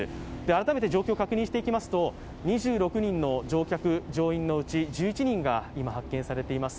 改めて状況を確認してきますと２６人の乗客・乗員のうち１１人が今、発見されています。